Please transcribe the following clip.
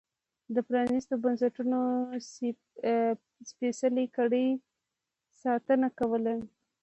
د پرانیستو بنسټونو سپېڅلې کړۍ ساتنه کوله.